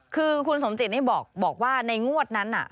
คือคุณสมจิตนี่บอกว่าในงวดนั้นน่ะ